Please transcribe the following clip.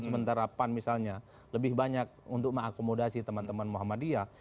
sementara pan misalnya lebih banyak untuk mengakomodasi teman teman muhammadiyah